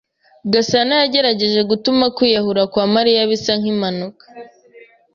Gasana yagerageje gutuma kwiyahura kwa Mariya bisa nkimpanuka.